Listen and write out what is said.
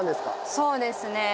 そうですね。